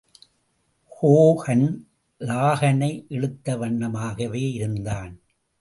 Hogan லகானை இழுத்தவண்ணமாகவே இருந்தான்.